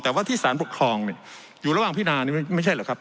แต่ว่าที่สารปกครองอยู่ระหว่างพินานี่ไม่ใช่เหรอครับ